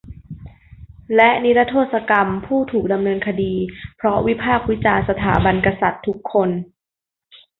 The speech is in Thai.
และนิรโทษกรรมผู้ถูกดำเนินคดีเพราะวิพากษ์วิจารณ์สถาบันกษัตริย์ทุกคน